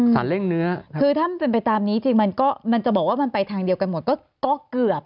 สารเลขเนื้อ